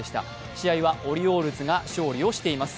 試合はオリオールズが勝利をしています。